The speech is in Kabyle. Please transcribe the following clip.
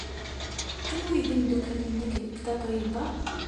Anwa ay d imeddukal-nnek deg Tatoeba?